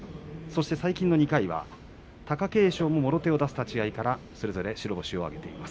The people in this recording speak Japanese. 最近の２回は貴景勝も、もろ手を出し、立ち合いからそれぞれ白星を挙げています。